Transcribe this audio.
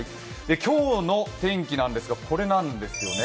今日の天気なんですが、これなんですよね。